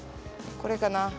これかな？